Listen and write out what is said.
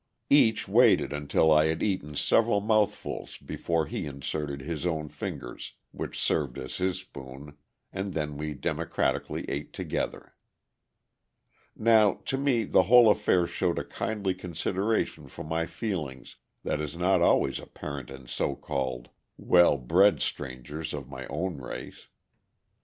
Each waited until I had eaten several mouthfuls before he inserted his own fingers, which served as his spoon, and then we democratically ate together. Now, to me the whole affair showed a kindly consideration for my feelings that is not always apparent in so called well bred strangers of my own race.